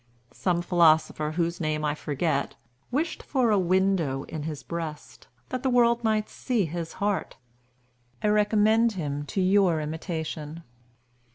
"Some philosopher, whose name I forget, wished for a window in his breast, that the world might see his heart. I recommend him to your imitation.